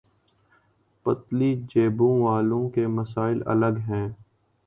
پتلی جیبوں والوں کے مسائل الگ ہیں۔